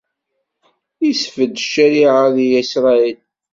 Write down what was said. Isbedd ccariɛa di Isṛayil.